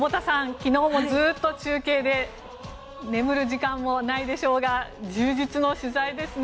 昨日もずっと中継で眠る時間もないでしょうが充実の取材ですね。